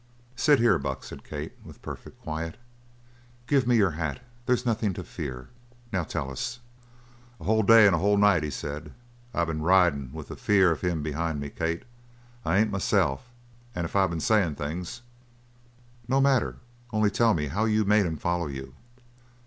"Sit here, Buck," said Kate, with perfect quiet. "Give me your hat. There's nothing to fear. Now tell us." "A whole day and a whole night," he said, "I been riding with the fear of him behind me. Kate, I ain't myself, and if I been sayin' things " "No matter. Only tell me how you made him follow you."